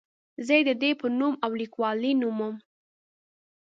زه یې د ده په نوم او لیکلوالۍ نوموم.